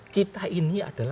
kita ini adalah